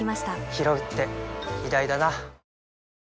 ひろうって偉大だな